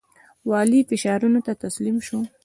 والي فشارونو ته تسلیم شو.